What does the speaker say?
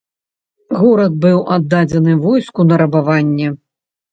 Горад быў аддадзены войску на рабаванне.